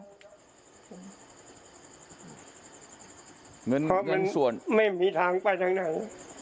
เพราะมันไม่มีทางไปทางไหน